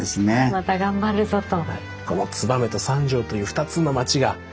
また頑張るぞと。